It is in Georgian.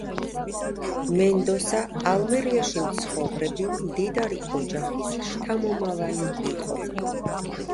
მენდოსა ალმერიაში მცხოვრები მდიდარი ოჯახის შთამომავალი იყო.